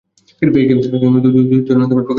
এই গেমসের দুই ধরনের প্রকরণ অনুষ্ঠিত হয়ে থাকে।